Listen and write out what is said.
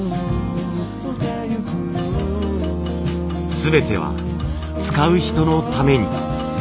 全ては使う人のために。